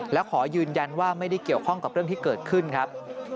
และขอยืนยันว่าไม่ได้เกี่ยวข้องกับเรื่องที่เกิดขึ้นครับ